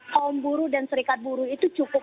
kaum buru dan serikat buru itu cukup